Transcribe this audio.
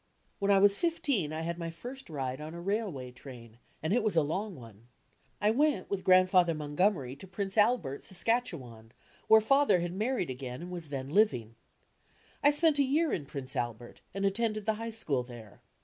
When I was fifteen I had my first ride on a railway train, and it was a long one. I went with Grandfather Montgom ery to Prince Atben, Saskatchewan, where Father had mar ried again and was then living. I spent a year in Prince Albert and attended the High School there.